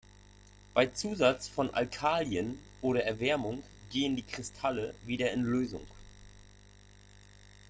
Bei Zusatz von Alkalien oder Erwärmung gehen die Kristalle wieder in Lösung.